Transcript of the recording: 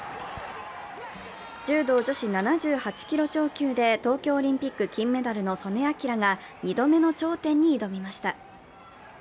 柔道女子７８キロ超級で東京オリンピック金メダルの素根輝が２度目の頂点に挑みました